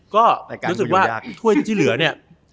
ก็รู้สึกว่าถ้วยที่เหลือเนี่ย